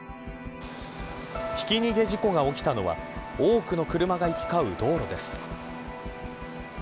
ひき逃げ事故が起きたのは多くの車が行き交う道路です。